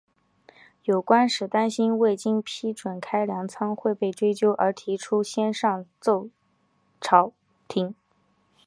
有官吏担心未经批准开粮仓会被追究而提出先上奏朝廷。